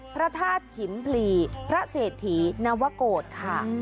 พระธาตุฉิมพลีพระเศรษฐีนวโกรธค่ะ